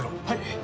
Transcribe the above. はい！